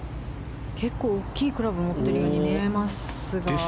結構大きいクラブ持ってるように見えますが。